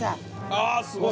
ああすごい！